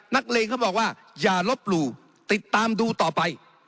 เลงเขาบอกว่าอย่าลบหลู่ติดตามดูต่อไป